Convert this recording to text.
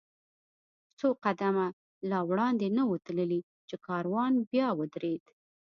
څو قدمه لا وړاندې نه و تللي، چې کاروان بیا ودرېد.